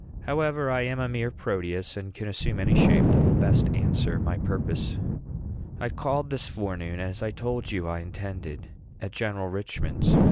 However, I am a mere Proteus, and can assume any shape that will best answer my purpose. I called this afternoon, as I told you I intended, at General Richman's.